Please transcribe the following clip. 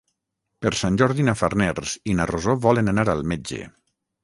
Per Sant Jordi na Farners i na Rosó volen anar al metge.